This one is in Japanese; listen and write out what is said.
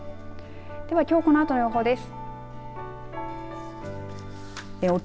ではきょうこのあとの予報です。